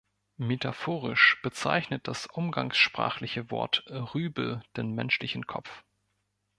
Metaphorisch bezeichnet das umgangssprachliche Wort „Rübe“ den menschlichen Kopf.